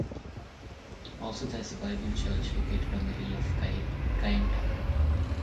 Also there is a Bible church located on the hill of Kayenta.